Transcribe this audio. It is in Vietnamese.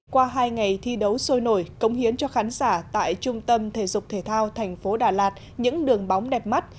qua hai ngày thi đấu sôi nổi cống hiến cho khán giả tại trung tâm thể dục thể thao thành phố đà lạt những đường bóng đẹp mắt